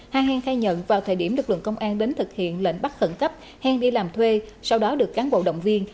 ha heng khai nhận vào thời điểm lực lượng công an đến thực hiện lệnh bắt khẩn cấp heng đi làm thuê sau đó được cán bộ động viên